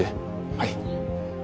はい。